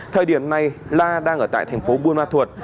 thời điểm này la đang ở tại thành phố buôn ma thuột